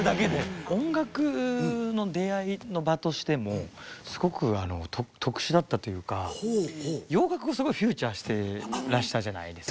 音楽の出会いの場としてもすごくあの特殊だったというか洋楽をすごいフューチャーしてらしたじゃないですか。